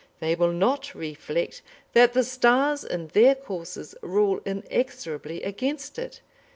They will not reflect that the stars in their courses rule inexorably against it.